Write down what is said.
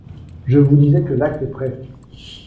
Je vous disais que l’acte est prêt.